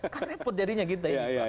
kan repot jadinya kita ini